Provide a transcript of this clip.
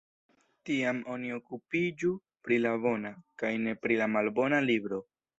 Tiam oni okupiĝu pri la bona, kaj ne pri la malbona libro!